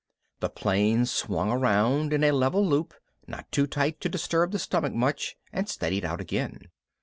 The plane swung around in a level loop, not too tight to disturb the stomach much, and steadied out again.